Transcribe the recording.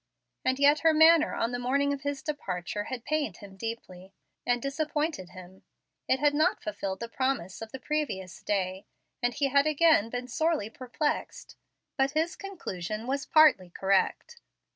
And yet her manner on the morning of his departure had pained him deeply, and disappointed him. It had not fulfilled the promise of the previous day, and he had again been sorely perplexed. But his conclusion was partly correct.